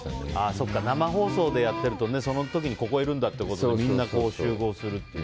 そっか、生放送でやってるとその時にここいるんだってことでみんな集合するっていう。